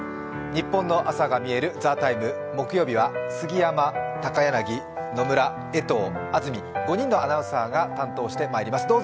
ニッポンの朝がみえる「ＴＨＥＴＩＭＥ，」木曜日は杉山、高柳、野村江藤、安住、５人のアナウンサーが担当してまいります。